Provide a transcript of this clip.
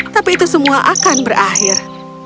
tapi itu semua akan berakhir